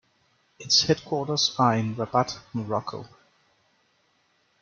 Its headquarters are in Rabat, Morocco.